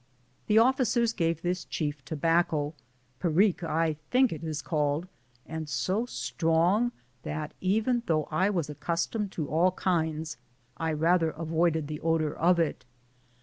The officers gave this chief tobacco — Periqne I think it is called — and so strong that, though I was accustomed to all kinds, I rather avoided the odor of it.